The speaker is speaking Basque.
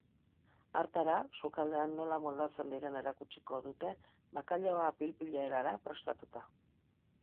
Hartara, sukaldean nola moldatzen diren erakutsiko dute bakailaoa pil-pil erara prestatuta.